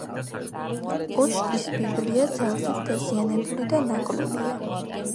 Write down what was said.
ოშკის ბიბლია ძალზედ დაზიანებული და ნაკლულია.